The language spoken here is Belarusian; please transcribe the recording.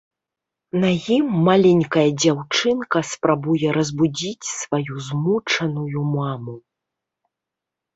На ім маленькая дзяўчынка спрабуе разбудзіць сваю змучаную маму.